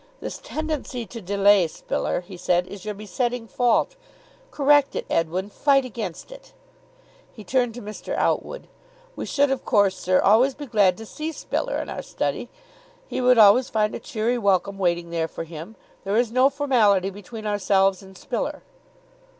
"This tendency to delay, Spiller," he said, "is your besetting fault. Correct it, Edwin. Fight against it." He turned to Mr. Outwood. "We should, of course, sir, always be glad to see Spiller in our study. He would always find a cheery welcome waiting there for him. There is no formality between ourselves and Spiller."